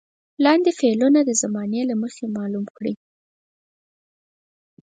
لاندې فعلونه د زمانې له مخې معلوم کړئ.